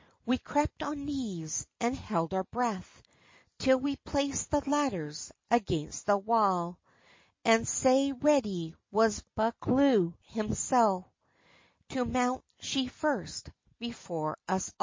We crept on knees, and held our breath, Till we placed the ladders against the wa; And sae ready was Buccleuch himsell To mount she first, before us a'.